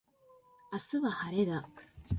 明日は晴れだ。